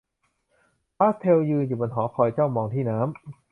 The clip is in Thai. พาสเทลยืนอยู่บนหอคอยจ้องมองที่น้ำ